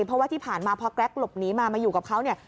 เพราะว่าที่ผ่านมาพอแกรกหลบหนีมามาอยู่กับเขาเนี่ย